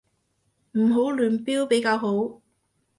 唔好亂標比較好